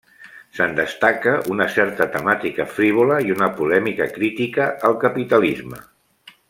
Se'n destaca una certa temàtica frívola i una polèmica crítica al capitalisme.